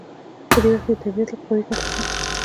په دې وخت کې د طبیعت له قوې ګټه وشوه.